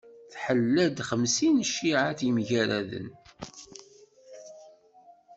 Tḥella-d xemsin n cciεat yemgaraden.